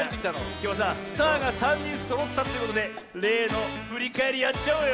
きょうはさスターが３にんそろったってことでれいのふりかえりやっちゃおうよ。